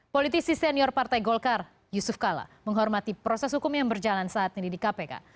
politisi senior partai golkar yusuf kala menghormati proses hukum yang berjalan saat ini di kpk